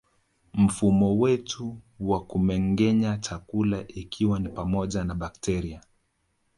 Mfumo wetu wa kumengenya chakula ikiwa ni pamoja na bakteria